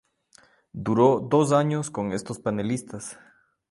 Duró dos años con estos panelistas.